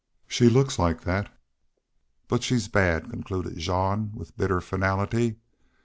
"She looks like that, but she's bad," concluded Jean, with bitter finality.